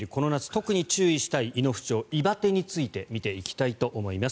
特に注意したい胃の不調胃バテについて見ていきたいと思います。